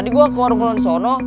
tadi gue ke warung keliaran di sana